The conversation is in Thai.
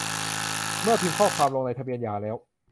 เมื่อพิมพ์ข้อความลงในทะเบียนหย่าแล้ว